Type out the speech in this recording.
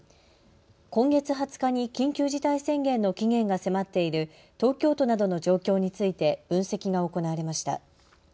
今月２０日に緊急事態宣言の期限が迫っている東京都などの状況について分析が行われました。